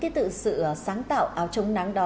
chính cái tự sự sáng tạo áo trông nắng đó